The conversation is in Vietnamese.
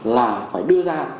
là phải đưa ra